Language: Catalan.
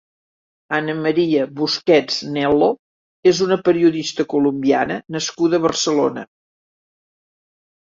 Ana María Busquets Nel·lo és una periodista colombiana nascuda a Barcelona.